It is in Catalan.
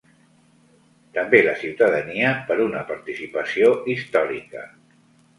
També la ciutadania per una participació històrica.